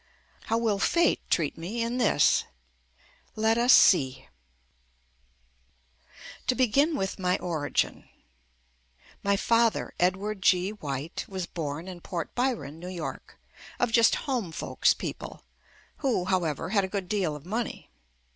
How will fate treat me in this ? Let us see To begin with my origin — my father, Ed ward G. White, was born in Port Byron, New York, of just "home folks" people, who, how ever, had a good deal of money.